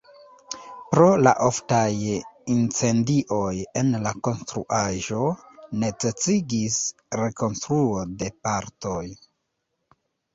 Pro la oftaj incendioj en la konstruaĵo necesigis rekonstruo de partoj.